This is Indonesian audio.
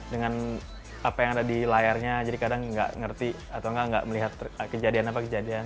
dengan apa yang ada di layarnya jadi kadang nggak ngerti atau nggak melihat kejadian apa kejadian